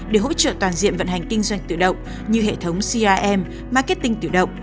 để hỗ trợ toàn diện vận hành kinh doanh tự động như hệ thống crm marketing tự động